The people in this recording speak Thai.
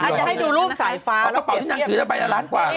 อาจจะให้ดูรูปสายฟ้าแล้วเปรียบเทียบ